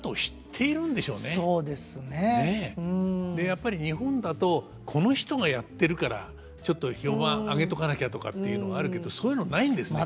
やっぱり日本だと「この人がやってるからちょっと評判上げとかなきゃ」とかっていうのがあるけどそういうのないんですね。